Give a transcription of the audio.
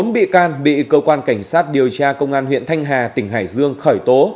bốn bị can bị cơ quan cảnh sát điều tra công an huyện thanh hà tỉnh hải dương khởi tố